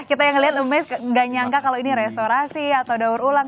kita yang ngeliat umes nggak nyangka kalau ini restorasi atau daur ulang